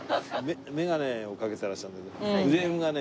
眼鏡をかけてらしたんだけどフレームがね